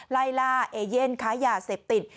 ไล่ล่าเอเย่นค้ายาเสพติด